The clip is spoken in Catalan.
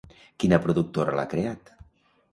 Quina productora l'ha creat?